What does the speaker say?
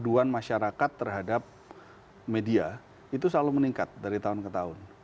aduan masyarakat terhadap media itu selalu meningkat dari tahun ke tahun